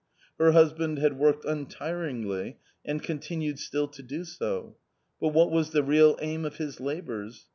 Her husband had worked untiringly and continued still to do so. But what was the real aim of his labours